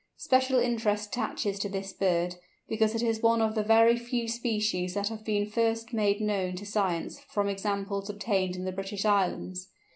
Special interest attaches to this bird, because it is one of the very few species that have been first made known to science from examples obtained in the British Islands.